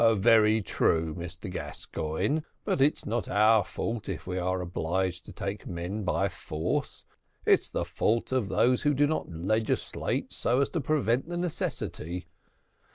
"Very true, Mr Gascoigne, but it's not our fault if we are obliged to take men by force; it's the fault of those who do not legislate so as to prevent the necessity.